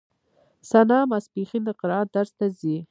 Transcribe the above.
ثنا ماسپښين د قرائت درس ته ځي.